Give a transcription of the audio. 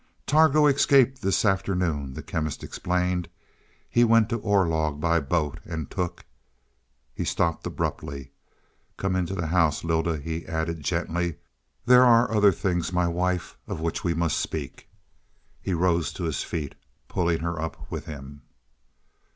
"Targo escaped this afternoon," the Chemist explained. "He went to Orlog by boat and took " He stopped abruptly. "Come into the house, Lylda," he added gently; "there are other things, my wife, of which we must speak." He rose to his feet, pulling her up with him.